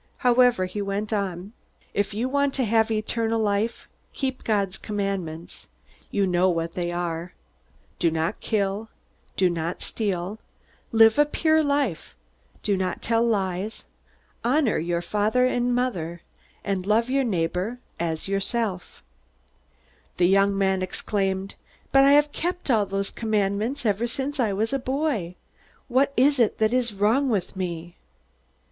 However, he went on: "If you want to have eternal life, keep God's commandments. You know what they are: Do not kill, do not steal, live a pure life, do not tell lies, honor your father and mother, and love your neighbor as yourself." The young man exclaimed: "But I have kept all those commandments ever since I was a boy! What is it that is wrong with me?"